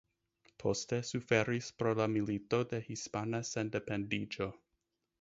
Poste suferis pro la Milito de Hispana Sendependiĝo.